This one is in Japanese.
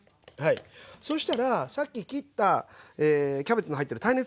そしたらさっき切ったキャベツの入ってる耐熱ボウル